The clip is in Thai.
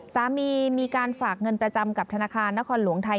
มีการฝากเงินประจำกับธนาคารนครหลวงไทย